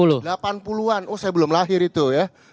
oh saya belum lahir itu ya